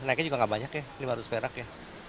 naiknya juga nggak banyak ya lima ratus perak ya